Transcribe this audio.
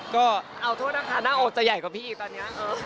ก็เอาโทษนะคะหน้าอกจะใหญ่กว่าพี่อีกตอนนี้